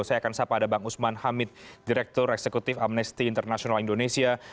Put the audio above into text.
saya akan sapa ada bang usman hamid direktur eksekutif amnesty international indonesia